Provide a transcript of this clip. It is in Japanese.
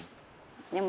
でも。